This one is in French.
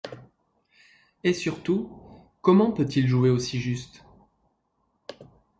Et surtout, comment peut-il jouer aussi juste?